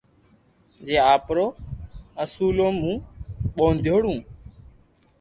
جي آپرو اسولو مون ٻوديوڙو